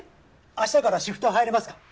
明日からシフト入れますか？